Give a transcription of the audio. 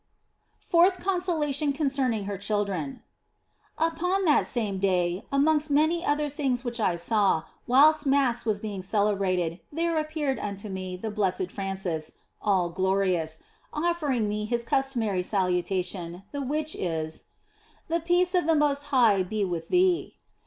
FOURTH CONSOLATION CONCERNING HER CHILDREN UPON that same day, amongst many other things which I saw, whilst Mass was being celebrated, there appeared unto OF FOLIGNO 239 me the Blessed Francis, all glorious, offering me his customary salutation, the which is " The peace of the Most High be with thee."